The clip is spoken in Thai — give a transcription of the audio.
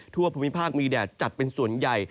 ทั่วภูมิภาคมีแดดจัดเป็นส่วนใหญ่